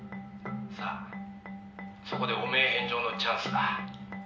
「さあそこで汚名返上のチャンスだ」